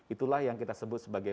itulah yang kita sebut sebagai